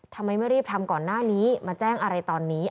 ทำไมไม่รีบทำก่อนหน้านี้มาแจ้งอะไรตอนนี้